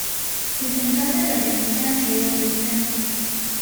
Desde entonces, la organización se ha ido debilitando.